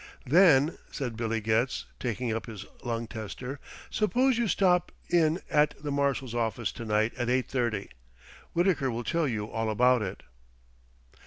"Then," said Billy Getz, taking up his lung tester, "suppose you stop in at the Marshal's office to night at eight thirty. Wittaker will tell you all about it."